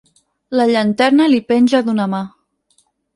La llanterna li penja d'una mà.